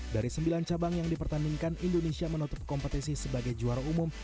dari sembilan cabang yang dipertandingkan indonesia menutup kompetisi sebagai juara umum